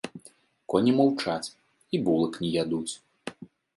Коні маўчаць, і булак не ядуць.